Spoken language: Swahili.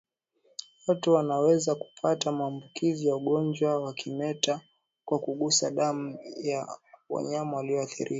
Watu wanaweza kupata maambukizi ya ugonjwa wa kimeta kwa kugusa damu ya wanyama walioathirika